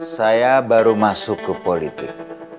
saya baru masuk ke politik